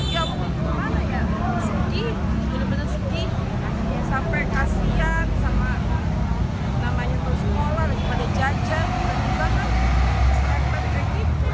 sampai kasihan sama namanya untuk sekolah lagi pada jajan dan juga kan serang pada ekip